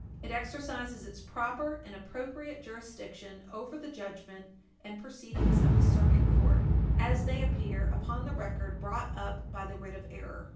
It exercises its proper and appropriate jurisdiction over the judgment and proceedings of the Circuit Court, as they appear upon the record brought up by the writ of error.